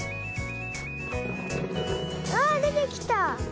あでてきた！